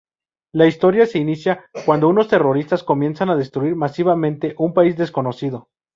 La historia se inicia cuando unos terroristas comienzan a destruir masivamente un país desconocido.